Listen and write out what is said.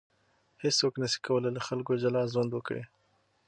هیڅوک نسي کولای له خلکو جلا ژوند وکړي.